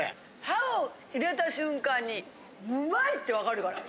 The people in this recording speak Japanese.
歯を入れた瞬間にうまい！ってわかるから。